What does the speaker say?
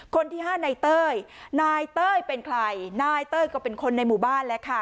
คนที่ห้านายเต้ยนายเต้ยเป็นใครนายเต้ยก็เป็นคนในหมู่บ้านแล้วค่ะ